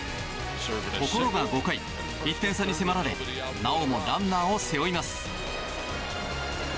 ところが５回、１点差に迫られなおもランナーを背負います。